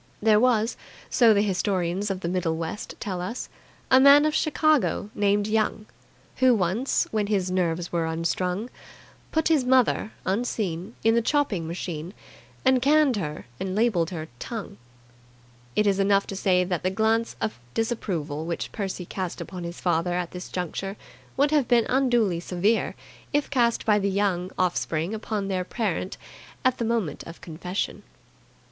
There was, so the historians of the Middle West tell us, a man of Chicago named Young, who once, when his nerves were unstrung, put his mother (unseen) in the chopping machine, and canned her and labelled her "Tongue". It is enough to say that the glance of disapproval which Percy cast upon his father at this juncture would have been unduly severe if cast by the Young offspring upon their parent at the moment of confession.